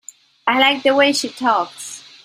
I like the way she talks.